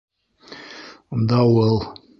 ДАУЫЛ